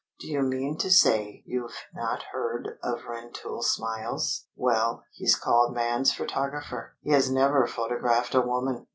"Do you mean to say you've not heard of Rentoul Smiles? ... Well, he's called 'Man's photographer.' He has never photographed a woman!